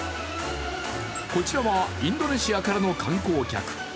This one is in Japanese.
こちらはインドネシアからの観光客。